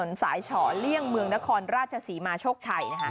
บนถนนสายฉ่อเลี่ยงเมืองนครราชศรีมาโชคชัย